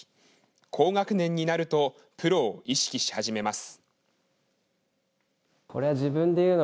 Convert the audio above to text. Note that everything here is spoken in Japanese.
高学年になるとプロを意識し始めます。